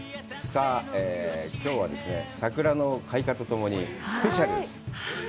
さあ、きょうはですね、桜の開花とともにスペシャルです。